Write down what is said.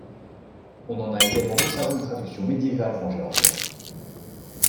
On en a également conservé une traduction médiévale en géorgien.